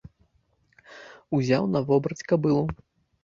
Узяў на вобраць кабылу.